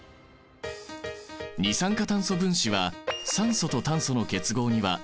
二酸化炭素分子は酸素と炭素の結合には極性がある。